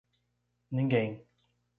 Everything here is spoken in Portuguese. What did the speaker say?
Ninguém